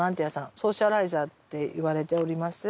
ソーシャライザーっていわれております